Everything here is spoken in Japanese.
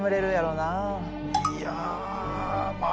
いやまあ